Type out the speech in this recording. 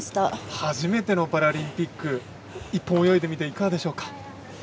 初めてのパラリンピック１本泳いでみていかがでしょうか。